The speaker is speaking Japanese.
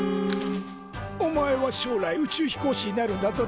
「お前は将来宇宙飛行士になるんだぞ。